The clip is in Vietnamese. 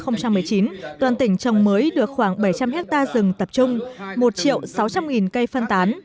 năm hai nghìn một mươi chín toàn tỉnh trồng mới được khoảng bảy trăm linh hectare rừng tập trung một sáu trăm linh cây phân tán